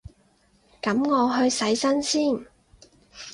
噉我去洗身先